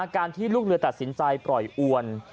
การที่ลูกเรือตัดสินใจปล่อยอวน